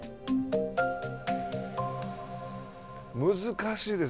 難しいです。